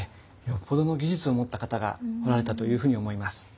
よっぽどの技術を持った方が彫られたというふうに思います。